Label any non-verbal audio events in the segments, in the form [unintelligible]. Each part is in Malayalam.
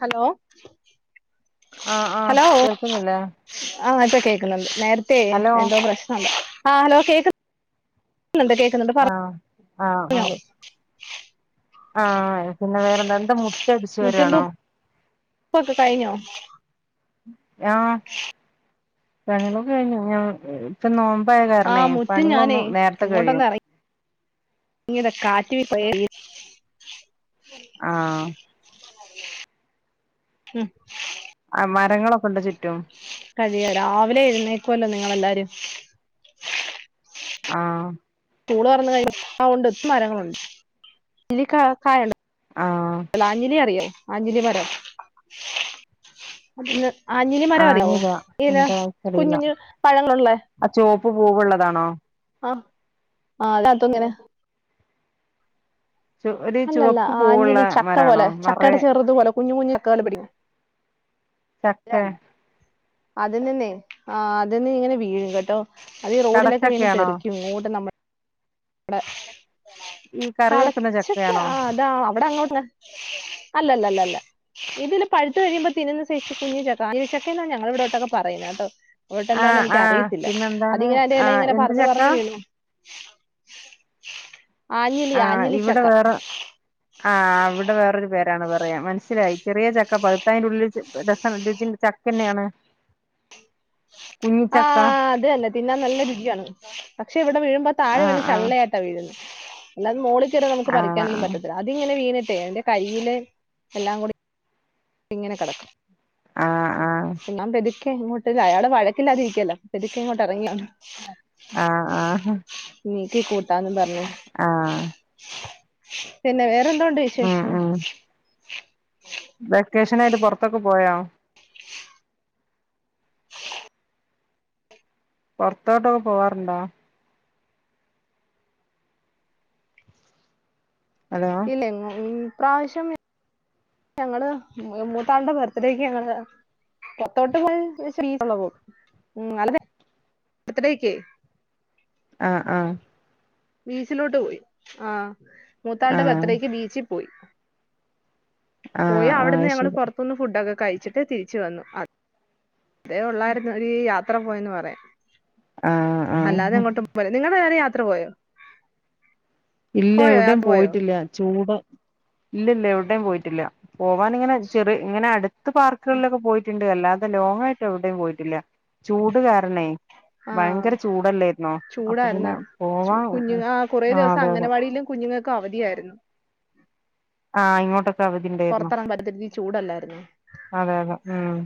ഹലോ ഉ [unintelligible] ആഹ ആഹ കേൾക്കുന്നില്ലേ ആഹ് അത കേൾക്കുന്നുണ്ട് നേരത്തെേ ഹലോ എന്തോ പ്രശ്നയുണ്ടായി ആഹ ഹലോ കേക്ക- കേൾക്കുന്നുണ്ട് കേക്കുന്നുണ്ട് ആഹ് പറഞ്ഞ ആഹ പിന്നെ വേറെന്താ എന്താ മുറ്റ അടിച്ചു വരുവാണോ കൊക്ക [unintelligible] കഴഞ്ഞോ ഉം [inaudible] ആഹ പണ്യോളൊക്കെ കഴിഞ്ഞ ഞ ഇപ്പൊ നോ ആഹ് മുറ്റും ഞാനേ കഴിയും ഇങ്ങോട്ടൊന്നറങ്ങീതാ കാ റ്റ് [unintelligible] ആഹ് ഉം [unintelligible] രങ്ങളൊക്കെ ഉണ്ട് ചുറ്റും കഴിയ രാവിലെ എഴുന്നേക്കുവല്ലോ നിങ്ങളെല്ലാരും. ആഹ് സ്കൂള് തൊറന്ന [unintelligible] മരങ്ങളുണ്ട് [unintelligible] ആഹ് [unintelligible] അറിയോ ആഞ്ഞിലി മരം [unintelligible] ആഞ്ഞിലി മരം അറിയാവോ ആഞ്ഞില ഇനെ എന്താ അറിയില്ല കുഞ്ഞുഞ്ഞു പഴങ്ങൾ ഉള്ളേ. ആ ചുവപ്പ് പൂവുള്ളതാണോ ആ [unintelligible] ചു ഒരു അല്ലല്ല ചുവപ്പ് പൂവുള്ള ആഞ്ഞിലി ചക്ക മരാണോ പോലെ നിറയെ ചക്കയുടെ ചെറുതുപോലെ കുഞ്ഞു കുഞ്ഞു [unintelligible] ചക്കെ അതിനിന്നെ ആ അതിന്ന് ഇങ്ങനെ വീഴും കേട്ടോ. അത് റോഡിലൊക്കെ വീണ് കടച്ചക്കയാണോ തെറിക്കും ഇങ്ങോട്ട് നമ്മൾ ടെ ഈ കറി വെക്കുന്ന കടച്ചക്ക ചക്കയാണോ ആ അതാ അവിടെ അങ്ങോട്ട് [unintelligible] അല്ലല്ല ഇതില് പഴുത്തു കഴിയുമ്പോ തിന്ന്ന്ന സൈസ്സ് കുഞ്ഞി ചക്ക ആഞ്ഞിലി ചക്ക എന്നാ ഞങ്ങളുടെ ഇടോട്ടൊക്കെ പറയുന്നത് കേട്ടോ. അവിട്ടെന്താന്ന് ആഹ് എനിക്ക് ആഹ് അറിയത്തില്ല, പിന്നെന്താണ് അതിങ്ങനെ എന്റെ എല ആഹ് ഇങ്ങനെ എന്ത് പറന്ന് ചക്ക പറന്ന് വീണു. ആഞ്ഞിലി ആ ആഞ്ഞിലി ഇവിടെ ചക്ക വേറെ ആ ഇവിടെ വേറൊരു പേരാണ് പറയാ, മനസ്സിലായി. ചെറിയ ചക്ക പഴുത്താ അയിന്റെ ഉള്ളിൽ ചെ രസ രുചി ചക്കന്നെയാണ്. ആ കുഞ്ഞിച്ചക്ക അതന്നെ തിന്നാൻ നല്ല രുച്യാണ്. പക്ഷേ ഇവിടെ വീഴുമ്പോൾ താഴെ ആ വീണ് ആ ചള്ളയായിട്ടാ വീഴുന്നെ. എല്ലാരും മോളി- നമുക്ക് ആ ആ പറിക്കാനൊന്നും പറ്റത്തില്ല അതിങ്ങനെ വീണ- ട്ടേ എന്റെ കയ്യില് എല്ലാം കൂടി ഇങ്ങനെ കിടക്കും ആ ആ എങ്ങോട്ട് അയാൾ വഴക്കില്ലാതിരിക്കെല്ല പതുക്കെ ഇങ്ങോട്ട് ഇറങ്ങിയാണ് ആ ആ നീക്കി കൂട്ടാന്ന് പറഞ് ആ [unintelligible] പിന്നെ വേറെന്തോണ്ട് ഉം വിശേഷം ഉം വെക്കേഷൻ ആയിട്ട് പുറത്തൊക്കെ പോയൊ പുറത്തോട്ടൊക്കെ പോവാറുണ്ടോ ഹലോ ഇല്ലെ ങ്ങോ മ് ഈ പ്രാവശ്യം ഞങ്ങള് മൂത്താളുടെ ബർത്ത്ഡേക്ക് ഞങ്ങള് പൊറത്തോട്ട് പോയി [unintelligible] ആളെ ബർത്ത്ഡേക്ക് ആ ആ ബീച്ചിലോട്ട് പോയി ആ ആ മൂത്താളുടെ ബർത്ഡേക്ക് ബീച്ചിൽ പോയി. ആ പോയി ആ അവിടുന്ന് ഞങ്ങള് ശരി പുറത്തുന്ന് ഫുഡൊക്കെ കഴിച്ചിട്ട് തിരിച്ചു വന്നു. അതേ ഉള്ളായിരുന്നു ഒരു യാത്ര പോയന്ന് പറയാൻ. ആ ആ അല്ലാതെ എങ്ങോട്ടും പോയില്ല നിങ് [unintelligible] ത്ര പോയോ ഇല്ല പോയോ എവിടെയും യാത്ര പോയോ പോയിട്ടില്ല. ചൂട് ഇല്ലില്ല എവിടെയും പോയി ട്ടില്ല പോവാൻ ഇങ്ങനെ ചെറി ഇങ്ങനെ അടുത്ത് പാർക്കുകളിലൊക്കെ പോയിട്ടുണ് ണ്ട് അല്ലാതെ ലോങ്ങായിട്ട് എവിടെയും പോയിട്ടില്ല ചൂട് കാരണേ ആ ഭയങ്കര ചൂടല്ലായിരുന്നോ അപ്പോ ചൂടായിരുന്നു പിന്നെ പോവാ ആഹ് അംഗനവാടിലും കുഞ്ഞ് തിങ്ങക്ക് അവധിയായിരുന്നു. ആഹ് ഇങ്ങോട്ടൊ പുറത്തിറങ്ങാൻ പറ്റത്തില്ലാതി ചൂടല്ലായിരുന്നു അതെ അതെ ഉം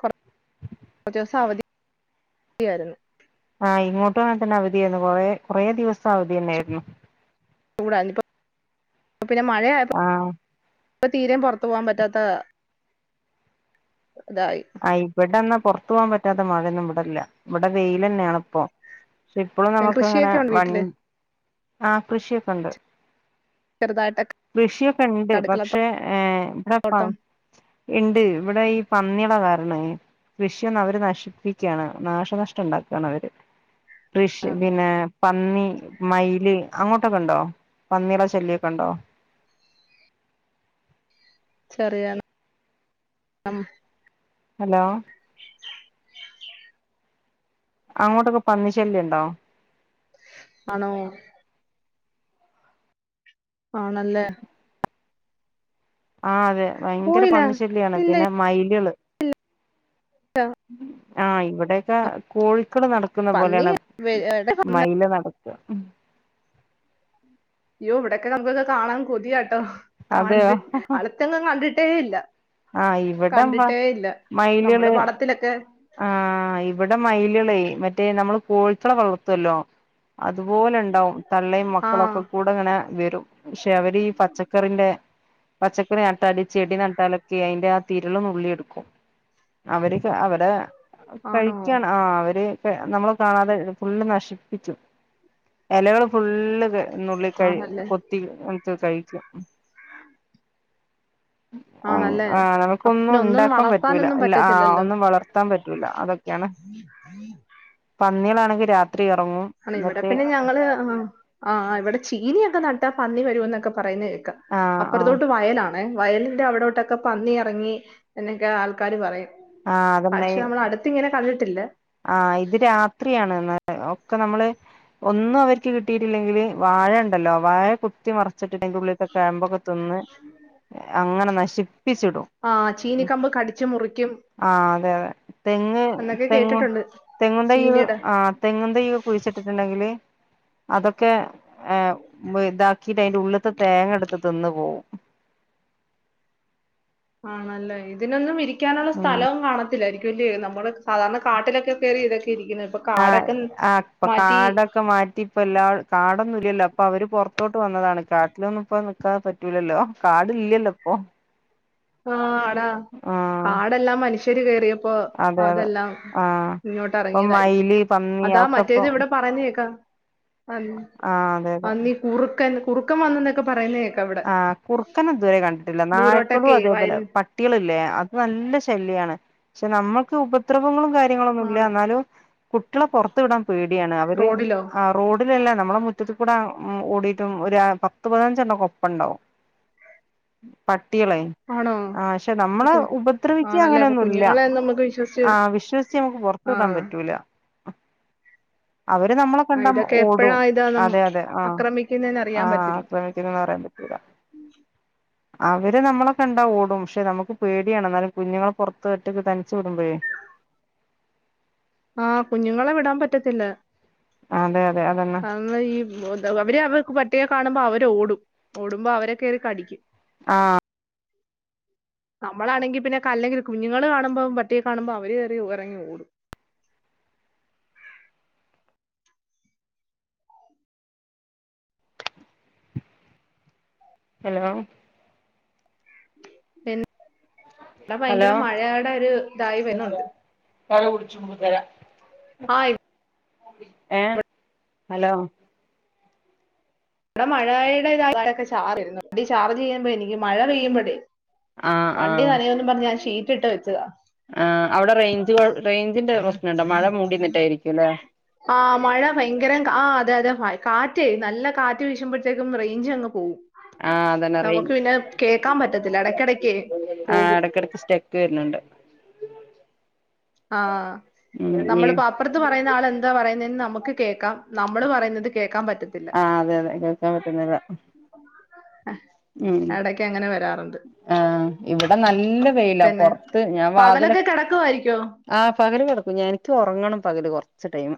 കുറച്ച ദിവസം അവധി ചെയരുന്നു. ആഹ് ഇങ്ങോട്ട് വണ തന്നെ അവധിയായിരുന്നു കൊറെ കൊറെ ദിവസം അവധി തന്നൊയിരുന്നു കൂട ഇനിപ്പ. പിന്നെ മഴയായപ്പം ആ ഇപ്പൊ തീരെം പൊർത്ത് പോവാം പറ്റാത്ത ഇതായി അ ഇബടെന്നാ പൊർ ത്ത് പോവാൻ പറ്റാത്ത മഴെന്നും ഇവ്ടെല്ല ഇവ്ടെ വെയിലെന്നേണ് ഇപ്പം പക്ഷെ ഇപ്പളും പിന്നെ നമുക്കങ്ങനെ കൃഷിയൊക്കെ ഉണ്ട് വ വീട്ടില് ആ കൃഷിയൊക്കെണ്ട് ചെറുതായിട്ടൊക്കെ കൃഷിയൊക്കെ ഇണ്ട് അടുക്കള പക്ഷെ എ ഇവിടെ പ തോട്ടം ഇണ്ട് ഇവിടെ ഈ പന്ന്യേളെ കാരണ കൃഷിയൊന്ന് അവര് നശിപ്പിക്ക്യാണ് നാശനഷ്ടം ഇണ്ടാക്കാണ് അവര് കൃഷി പിന്നെ പന്നി മയില് അങ്ങോട്ടൊക്കെ ഇണ്ടോ പന്നിടെ ശല്ല്യക്കെ ഇണ്ടോ ചെറിയാണ് ഹലോ അങ്ങോട്ടൊക്കെ പന്നിശല്യ ഇണ്ടോ ആണോ ആണ് അല്ലെ? ആഹ് അതെ ഭയങ്കര പോയില്ല പന്നി ശല്ല്യയാണ് ഇല്ല പിന്നെ മയിലെൾ ഉം ആഹ് ഇവ് ഇവ്ടെയൊക്കെ കോഴിക്കെൾ നട്ക്ക്ന്ന പന്നി പോലെയാണ് വെ- എടെ- മയിൽ നട് [unintelligible] ഉം അയ്യോ ഇവ്ടൊക്കെ നമുക്കൊക്കെ കാണാൻ കൊതിയാട്ടോ കാണ്ട് അതെയോ അട്ത്തെങ്ങും കണ്ടിട്ട് ട്ടെ ഇല്ല ആഹ് ഇവെടെംമ്പ കണ്ടിട്ടേ ഇല്ല മയിലെൾ നമ്മള് പടത്തിലൊക്കെ ആഹ് ഇവെടെ മയിലെളെ മറ്റേ നമ്മെൾ കോഴിക്കെളെ വളർത്തോല്ലോ? അതുപോലെ ഇണ്ടാവും തള്ളയും ആ മക്കളൊക്കെ കൂടെ ഇങ്ങനെ വെരും. പക്ഷെ അവര് ഈ പച്ചക്കറിന്റെ പച്ചക്കറി നട്ടാൽ ഈ ചെടി നട്ടാലൊക്കെ അയിന്റെ ആ തിരെൾ നുള്ളി എടുക്കും അവര് അവർ [unintelligible] ആണോ കഴിക്കാണ് ആഹ് അവെര് പേ നമ്മെൾ കാണാതെ ഫുള്ള് നശി ഹലോ ഫുൾ [unintelligible] നുള്ളി കഴിയും ആണല്ലേ കൊത്തി [unintelligible] [unintelligible] കഴിക്കും ആഹ് ആണല്ലേ ആഹ് അപ്പൊ നമുക്കൊന്നും പിന്നെ ഒന്നും ഉണ്ടാക്കാൻ പറ്റൂല്ല വളർത്താനൊന്നും ആഹ് പറ്റത്തില്ലല്ലോ ഒന്നും വളർ പറ്റൂല അതൊക്കെയാണ് പന്നികളാണെങ്കിൽ രാ അല്ല ഇവിടെ പിന്നെ ഞങ്ങള് ആഹ് ആഹ് ഇവിടെ ചീനിയൊക്കെ നാ ട്ട പന്നി വരോന്നൊക്കെ പറയുന്ന കേക്കാം ആഹ് ആഹ് അപ്പുറത്തോട്ട് വയലാ വയലിന്റെ അവിടോട്ടൊക്കെ പന്നി ഇറങ്ങി എന്നൊക്കെ ആൾക്കാര് പറയും ആഹ് പക്ഷെ നമ്മൾ അടുത്ത് ഇങ്ങനെ കണ്ടിട്ടില്ല ആ ഇത് രാത്രിയാണ് ഒക്കെ നമ്മള് ഒന്നും അവർക്ക് കിട്ടി ഇല്ലെങ്കില് വാഴ ഉണ്ടല്ലോ വാഴ കുത്തിമറി ച്ചിട്ടിട്ട് അതിനുള്ളിലത്തെ കാബ് ഒക്കെ തിന്ന് അങ്ങനെ നശിപ്പിച്ചിടും ആഹ് ചീനിക്കമ്പ് കടിച്ചു മുറിക്കും ആ അതെ അതെ തെങ്ങ് എന്നൊക്കെ തെങ്ങും കേട്ടിട്ടുണ്ട് തെങ്ങും തൈ ചീനിയുടെ ആ തെങ്ങിൻ തൈ കുഴിച്ചിട്ടിട്ടുണ്ടെങ്കില് അതൊക്കെ ഏ ഇതാക്കിട്ട് അതിന്റെ ഉള്ളിലത്തെ തേങ്ങ എടുത്തിട്ടു തിന്ന് പോവും ആണല്ലേ ഇതിനൊന്നും വി ഇരിക്കാനുള്ള ഉം സ്ഥലവും കാണത്തിലായിരിക്കും ല്ലേ നമ്മള് സാധാരണ കാട്ടിലൊക്കെ കേറി ഇരിക്കുന്നത് ഇപ്പൊ ആ കാടൊക്കെ അ ഇപ്പോ മാറ്റി കാടൊക്കെ മാറ്റി ഇപ്പം എല്ലാ കാടൊന്നും ഇല്ലല്ലോ അപ്പൊ അവര് പുറത്തോട്ട് വന്നതാണ് കാട്ടിലൊന്നും ഇപ്പ നിക്കാ കാ പറ്റൂലല്ലോ കാട് ഇല്ലല്ലോ ഇപ്പൊ ആ ആ കാടെല്ലാം മനുഷ്യന് [unintelligible] ഇപ്പോ അതെ അതെ അതെല്ലാം ആ ഇങ്ങോട്ട് ഇപ്പൊ ഇറങ്ങിയതായിരിക്കും മയില് പന്നി അതാ ഒക്കെ ഇപ്പൊ മറ്റേത് ഇവിടെ പറഞ്ഞ് കേക്കാം ആ അതെ അതെ പന്നി കുറുക് ക്കൻ കുറക്കൻ വന്നെന്ന് ആ കുറുക്കനെ ഇതുവരെ കണ്ടിട്ടില്ല നായ്ക്കള് പ്പം ദൂരോട്ടൊക്കെ വയൽ അതേപോലെ പട്ടികളില്ലേ അത് നല്ല ശല്യാണ് പക്ഷെ നമ്മക്ക് ഉപദ്രവങ്ങളും കാര്യ കാര്യങ്ങളൊന്നൂല്യ ആണ് എന്നാലും കുട്ടിളെ പുറത്തു വിടാം പേടിയാണ് അവര് റോഡിലോ ആ റോഡിലെല്ലാം നമ്മുടെ മുറ്റത്തുകുടെ ഓടി [unintelligible] പത്ത് പതിനഞ്ച് എണ്ണം ഒപ്പൊണ്ടാവും പട്ട് കുട്ടികളെ ആണോ ആ പക്ഷെ അപ്പൊ നമ്മളെ കു- ഉപദ്രവിക്കാ ആണല്ലേ അപ്പൊ അങ്ങനൊന്നുല്ല്യ കുഞ്ഞുങ്ങളെ ഒന്നും നമുക്ക് വിശ്വസിച്ച് ആ വിശ്വസിച്ച് നമുക്ക് പൊറത്ത് ആ വിടാൻ പറ്റൂല അവര് നമ്മളെ ആ, കണ്ടാ ഇതൊക്കെ എപ്പോഴാ ഓടും ഇതാ നം അതെ അതെ ആ ആക്രമിക്കുന്നതെന്ന് അറിയാൻ ആ പറ്റില്ല പറ്യാൻ പറ്റൂല അവര് നമ്മളെ കണ്ടാ ഓടും പക്ഷെ നമുക്ക് പേടിയാണ് ന്നാലും കുഞ്ഞ്ങ്ങളെ പൊർത്ത് ഒറ്റക്ക് തനിച്ച് വിട്മ്പഴേ ആ കുഞ്ഞുങ്ങളെ വിടാൻ പറ്റത്തില്ല അതെ അതെ അതന്നെ [unintelligible] അവര് അവർക്ക് [unintelligible] ണമ്പോ അവരോടും ഓടുമ്പോ അവരെ കേറി കടിക്കും ആ നമ്മളാണെങ്കി പിന്നെ കല്ലെങ്കില് കുഞ്ഞ്ങ്ങള് കാണ് മ്പം പട്ടിയേ കാണുമ്പം അവര് ത് എറങ്ങി ഓടും ഹലോ പെൻ വ്ടെ ഹലോ ഭയങ്കര മഴയേടെ ഒര് തായി വര്ണുണ്ട് [unintelligible] ആ ഇ ഏഹ് ഹലോ ഇവിടെ മഴയുടെ ഇതാ ചാർജ് ഇരുന്ന് ചാർജ് ചെയ്യുമ്പോ എനിക്ക് മഴ പെയ്യുമ്പോഴേ. ആ വണ്ടി നനയുന്ന് പറഞ്ഞ് ഞാൻ ഷേ ഇട്ട് വെച്ചത്. ആഹ് അവിടെ റേഞ്ച് കൊ റേ ആഹ് മഴ ഭയങ്കര ആ അതെ അതെ. കാറ്റേ നല്ല കാറ്റ് വീഴശുമ്പോഴത്തേക്കും റേഞ്ച് അങ്ങ് പോവും. ആ അതന്നെ റേ നമുക്ക് പിന്നെ കേക്കാൻ പറ്റത്തില്ല ഇടക്കടക്ക് ആ പോകും. ഇടക്കിടക്ക് സ്റ്റക്ക് വരുന്നുണ്ട് ആഹ് ഉം നമ്മളിപ്പോ അപ്പുറത്ത് പറയുന്ന ആള് എന്താ പറയുന്നെന്ന് നമു കേൾക്കാം നമ്മള് പറയുന്നത് കേക്കാൻ പറ്റത്തില്ല. ആ അതെ അതെ കേൾക്കാൻ പറ്റുന്നില്ല ഉം ഇടയ്ക്ക് അങ്ങനെ വരാറുണ്ട് ആഹ് ഇവിടെ നല്ല വെയിലാ പിന്നെ പൊറത്ത് ഞാൻ വാതില്. പകലൊക്കെ കിടക്കുമായിരിക്കോ ആഹ് പകല് കിടക്കും ഞ എനിക്ക് ഉറങ്ങണം പകല് കൊറച്ച് ടൈം.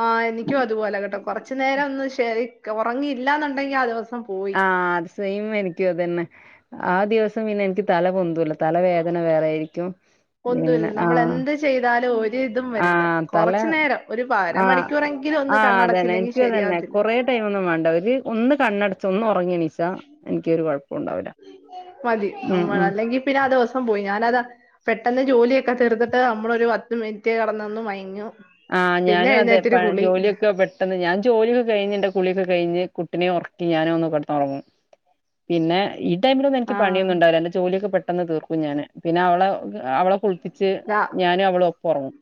ആഹ് എനിക്കും അതുപോലെ കേട്ടോ കൊറച്ചു നേരം ഒന്ന് ശരി. ഉറങ്ങിയില്ലന്നുണ്ടെങ്കിൽ അത് ദിവസം. പോയി ആഹ് സെയിം എനിക്കും അതെന്നെ. ആ ദിവസം പിന്നെ എനിക്ക് തല പൊന്തൂല്ല. തലവേദന വേറെയിരിക്കും, പിന്നെ ഒന്നുമില്ല നമ്മൾ ആഹ് എന്ത് ചെയ്താലും ഒരു ഇതും വരില്ല ആഹ് തല കുറച്ചു നേരം ഒരു ആഹ് അരമണിക്കൂറെങ്കിലും ഒന്ന് ആഹ് അതെന്നെ കണ്ണടച്ചില്ലെങ്കിൽ എനിക്കും അതെന്നെ ശരിയാവത്തില്ല കൊറെ ടൈം ഒന്നും വേണ്ട ഒരു. ഒന്ന് കണ്ണെട ഒന്ന് ഉറങ്ങിയെണീ മതി ഉം നമ്മൾ ഉം അല്ലെങ്കിൽ പിന്നെ ആ ദദിവസം പോയി ഞാനതാ പെട്ടെന്ന് ജോലിയൊക്കെ തീർത്തിട്ട് നമ്മൾ ഒരു പത്ത് മിനിറ്റ് കിടന്നൊന്ന് മയങ്ങും. ആഹ് ഞാനും അതെ പ ജോലിയൊക്കെ പെട്ടെന്ന് ഞാൻ ജോലിയൊക്കെ കഴിഞ്ഞിന്റെ കുളിയൊക്കെ കഴിഞ്ഞു കുട്ടിനെ ഉറക്കി ഞാനും ഒന്ന് കിടന്നു ഉറങ്ങും പിന്നെ ഈ ടൈമില് ഒന്നും എനിക്ക് ആഹ് പണിയൊന്നും ഉണ്ടാവില്ല എന്റെ ജോലി ഒക്കെ പെ ട്ടെന്ന് തീർക്കും ഞാന് പിന്നെ അവളെ അവളെ കുളിപ്പിച്ച് ഇതാ ഞാനും അവളും ഒപ്പം ഉറങ്ങും.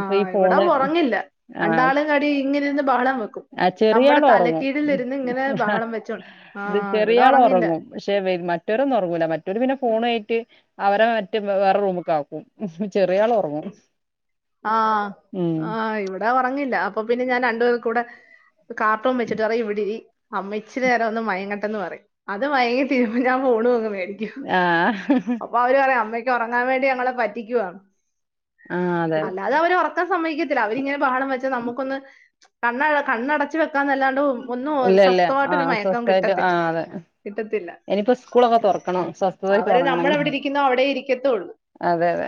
ഇപ്പോ ഈ ഇവിടെ ഫോണ് ഉറങ്ങില്ല ആഹ് രണ്ടാളും കടി ഇങ്ങനെ ഇരുന്ന് ബഹളം വെക്കും ആ നമ്മുടെ ചെറിയാൾ ഉറങ്ങും തലക്കീഴിലിരുന്ന് ഇങ്ങനെ ബഹളം വെച്ചോണ്ട് ഇത് ആഹ് ചെറിയ ഇവിടെ ആൾ ഉറങ്ങില്ല ഉറങ്ങും പക്ഷേ മറ്റേരൊന്നും ഉറങ്ങൂല മറ്റേര് പിന്നെ ഫോണായിട്ട് അവരെ മറ്റേ വേറെ റൂമുക്ക്‌ ആക്കും ചെറിയ ആൾ ഉറങ്ങും. ആ ഉം ആ ഇവിടെ ഉറങ്ങില്ല അപ്പോ പിന്നെ ഞാൻ രണ്ടുപേർക്കും കൂടെ കാർട്ടൂൺ വെച്ചിട്ട് പറയും ഇവിടിരി അമ്മ ഇച്ചിരി നേരം ഒന്ന് മയങ്ങട്ട എന്ന് പറയും അത് മയങ്ങി തീരുമ്പോൾ ഞാൻ ഫോണും അങ്ങ് മേ ആഹ് ക്ക്‌ ഉറങ്ങാൻ വേണ്ടി ഞങ്ങളെ പറ്റിക്കുവാന്ന്. ആഹ അല്ലാതെ അവര് ഉറക്കം- സമ്മതിക്കത്തില്ല അവരിങ്ങനെ- ബഹളം വെച്ചാൽ നമുക്കൊന്ന്- കണ്ണ് കണ്ണടച്ച് വെക്കും വെക്കേണ്ട അല്ലാണ്ട് ഒന്നും ഇല്ല ഇല്ല ആ സ്വസ്ഥമായിട്ട് ഒരു മയക്കം സ്വസ്ഥായിട്ട് ആ കിട്ടത്തില്ല അതെ കിട്ടത്തില്ല ഇനിയിപ്പോ സ്കൂളൊക്കെ തുറക്കണം സ്വസ്ഥതായിട്ട് അവര് ഉറങ്ങണമെങ്കിൽ നമ്മളവിടെ ഇരിക്കുന്നോ അവിടെ ഇരിക്കത്തള്ളു അതെ അതെ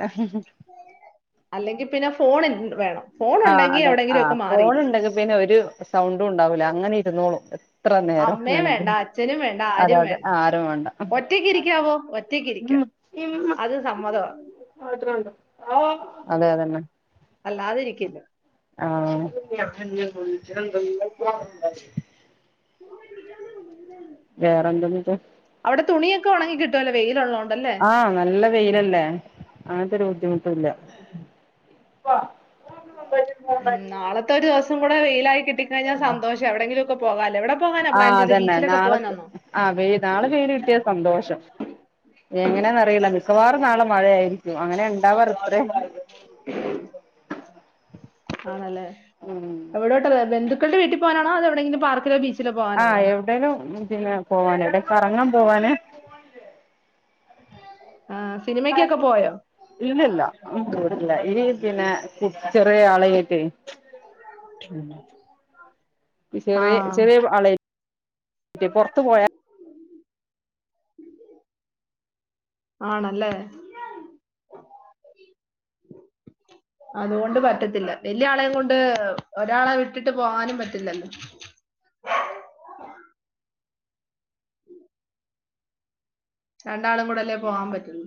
എങ്കിൽ പിന്നെ ഫോൺ എങ്കി വേണം ആഹ് അത ആ എവിടെങ്കിലും ഒക്കെ ഫോൺ മാറിയിരിക്കും ഉണ്ടെങ്കിൽ പിന്നെ ഒരു സൗണ്ടും ഉണ്ടാവൂല അങ്ങനെ ഇരുന്നോളൂ എത്ര നേരം അമ്മയും വേണെങ്കിൽ വേണ്ട അച്ഛനും വേണ്ട അതെ ആരും അതെ വേണ്ട ആരും വേണ്ട ഒറ്റയ്ക്ക് ഇരിക്കാവോ ഒറ്റയ്ക്ക് ഇരിക്കാം അത് സമ്മതമാണ് അതെതന്നെ അല്ലാതിരിക്കില്ല ആ ചന്ത പോ [unintelligible] വേറെന്തുണ്ട് അവിടെ തുണിയൊക്കെ ഉണങ്ങി കി കിട്ടുവല്ലോ വെയിലുള്ളോണ്ട്. ആ നല്ല വെയിലല്ലേ ഒരു ബുദ്ധിമുട്ടുല്ല ഉം നാളത്തൊരോസ [unintelligible] വൈലായി കി ട്ടി കഴിഞ്ഞാ സന്തോഷാ എവിടെങ്കിലൊക്കെ പോവാലോ എവിടെ പോവാനാ പ്ലാൻ ആഹ് ചെയ്തെ അതന്നെ ബീച്ചിലൊക്കെ നാളെ പോവാനാന്നൊ ആഹ് വെയി എങ്ങനാന്നറിയില്ല നിർ മിക്കവാറും നാളെ മഴയായിരിക്കും അങ്ങനെ ഇണ്ടാവാറ് ഇത്രേം ആണല്ലേ അവിടോട്ട് വെ വെന്തു ക്കളുടെ വീട്ടിൽ പോകാനാണോ അതോ എവിടെങ്കിലും പാർക്കിലോ ബീച്ച് ആഹ് എവിടെലും പിന്നെ പോവാന് എടെ കറങ്ങാൻ പോവാന് ആ സിനിമയ്ക്കൊക്കെ പോയോ ഇല്ലില്ല ഉ ല്ല ഈ പിന്നെ ചെറിയ ആളായിട്ടെ ആ ചെറിയ ചെറിയ ആള [unintelligible] പൊർത്ത് പോയാ ആണല്ലേ, അതുകൊണ്ട് പറ്റത്തില്ല വലിയ ആളെയും കൊണ്ട് ഒരാളെ വിട്ടിട്ട് പോവാനും പറ്റില്ലല്ലോ. രണ്ടാളും കൂടെ അല്ലേ പോവാൻ പറ്റുള്ളു